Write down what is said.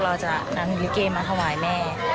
เราจะนำลิเกมาถวายแม่